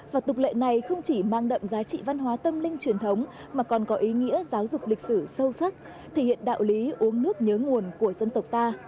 và tục lệ này không chỉ mang đậm giá trị văn hóa tâm linh truyền thống mà còn có ý nghĩa giáo dục lịch sử sâu sắc thể hiện đạo lý uống nước nhớ nguồn của dân tộc ta